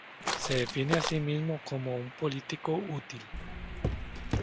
Se define a sí mismo como "un político útil".